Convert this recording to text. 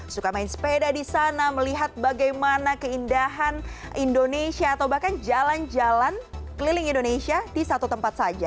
suka main sepeda di sana melihat bagaimana keindahan indonesia atau bahkan jalan jalan keliling indonesia di satu tempat saja